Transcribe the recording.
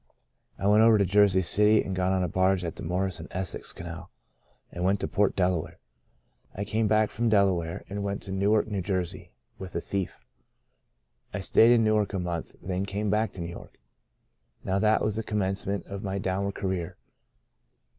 I went over to Jersey City, and got on a barge at the Morris and Essex Canal, and went to Port Delaware. I " Out of Nazareth " 1 25 came back from Delaware, and went to New ark, N. J. — with a thief. I stayed in Newark a month, then came back to New York. Now that was the commencement of my downward career.